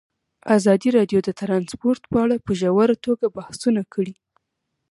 ازادي راډیو د ترانسپورټ په اړه په ژوره توګه بحثونه کړي.